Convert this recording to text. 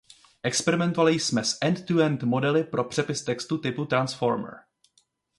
Experimentovali jsme s end to end modely pro přepis textu typu Transformer.